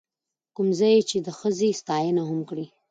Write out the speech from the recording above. کوم ځاى يې چې د ښځې ستاينه هم کړې،،